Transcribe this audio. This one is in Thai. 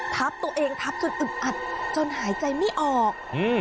ทับตัวเองทับจนอึดอัดจนหายใจไม่ออก